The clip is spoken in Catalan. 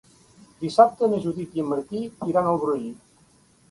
Dissabte na Judit i en Martí iran al Brull.